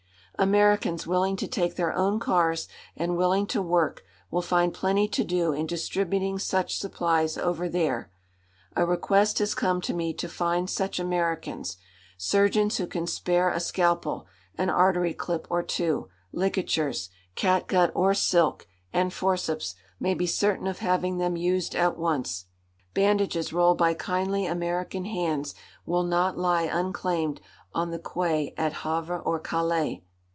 Americans willing to take their own cars, and willing to work, will find plenty to do in distributing such supplies over there. A request has come to me to find such Americans. Surgeons who can spare a scalpel, an artery clip or two, ligatures catgut or silk and forceps, may be certain of having them used at once. Bandages rolled by kindly American hands will not lie unclaimed on the quay at Havre or Calais.